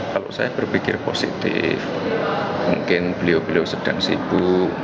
kalau saya berpikir positif mungkin beliau beliau sedang sibuk